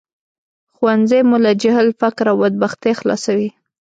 ښوونځی مو له جهل، فقر او بدبختۍ خلاصوي